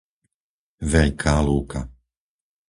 Veľká Lúka